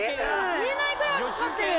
見えないくらいかかってる。